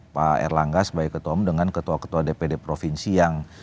pak erlangga sebagai ketua umum dengan ketua ketua dpd provinsi yang